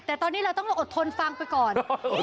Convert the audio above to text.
แต่ตอนนี้เราต้องอดทนฟังไปก่อน